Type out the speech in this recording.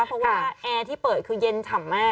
เพราะว่าแอร์ที่เปิดคือเย็นฉ่ำมาก